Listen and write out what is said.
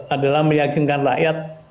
adalah meyakinkan rakyat